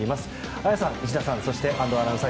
綾さん、内田さん安藤アナウンサー